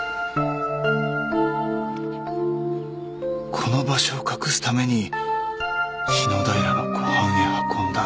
この場所を隠すために篠平の湖畔へ運んだ。